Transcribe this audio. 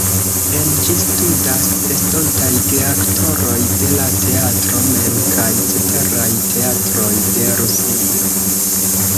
En ĝi studas estontaj geaktoroj de la teatro mem kaj ceteraj teatroj de Rusio.